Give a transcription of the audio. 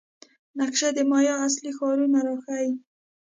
نقشه د مایا اصلي ښارونه راښيي.